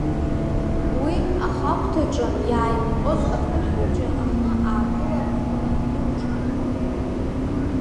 Уи ахагәҭаҿы иааимҟьоз ахышә хәыҷы ахы аакыларххны рықәҿнаҭуан.